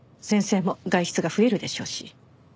先生も外出が増えるでしょうし。